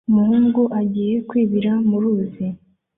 Umuhungu agiye kwibira muruzi